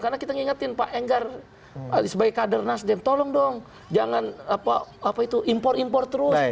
karena kita ingatin pak enggar sebagai kader nasdem tolong dong jangan apa itu impor impor terus